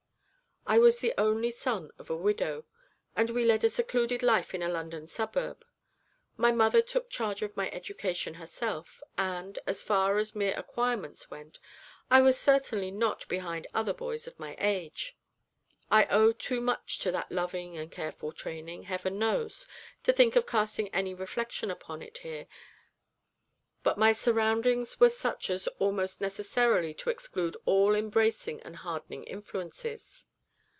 I was the only son of a widow, and we led a secluded life in a London suburb. My mother took charge of my education herself, and, as far as mere acquirements went, I was certainly not behind other boys of my age. I owe too much to that loving and careful training, Heaven knows, to think of casting any reflection upon it here, but my surroundings were such as almost necessarily to exclude all bracing and hardening influences.